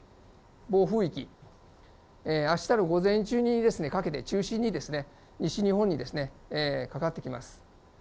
暴風域、あしたの午前中にかけて、中心に西日本にかかってきます。